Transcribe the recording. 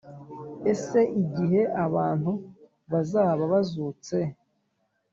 Ese igihe abantu bazaba bazutse